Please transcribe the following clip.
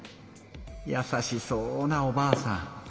やさしそうなおばあさん。